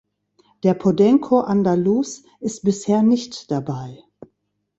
Der Podenco Andaluz ist bisher nicht dabei.